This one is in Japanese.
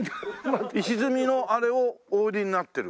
石積みのあれをお売りになってる？